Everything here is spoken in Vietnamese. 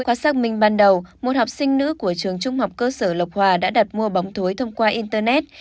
quá sắc mình ban đầu một học sinh nữ của trường trung học cơ sở lập hòa đã đặt mua bóng thối thông qua internet